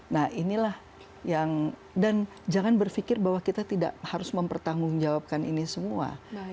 nah inilah yang dan jangan berpikir bahwa kita tidak harus mempertanggungjawabkan ini semua